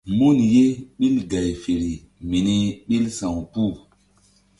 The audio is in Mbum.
Mun ye ɓil gay feri mini ɓil sa̧w kpuh.